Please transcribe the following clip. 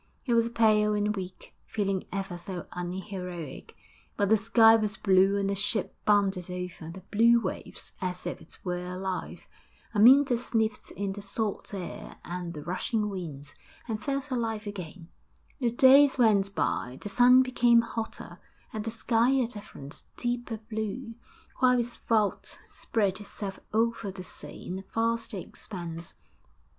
He was pale and weak, feeling ever so unheroic, but the sky was blue and the ship bounded over the blue waves as if it were alive. Amyntas sniffed in the salt air and the rushing wind, and felt alive again. The days went by, the sun became hotter, and the sky a different, deeper blue, while its vault spread itself over the sea in a vaster expanse.